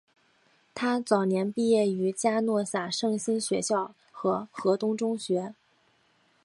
她早年毕业于嘉诺撒圣心学校和何东中学。